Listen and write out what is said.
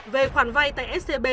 về khoản vay tại scb